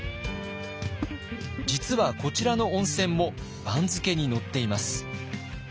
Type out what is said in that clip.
実はこちらの温泉も番付に載っています。